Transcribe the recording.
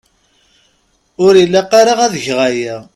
Ur ilaq ara ad geɣ aya.